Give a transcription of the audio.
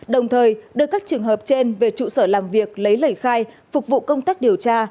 đồng thời đưa các trường hợp trên về trụ sở làm việc lấy lời khai phục vụ công tác điều tra